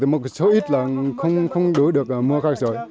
một số ít là không đủ được mua các sở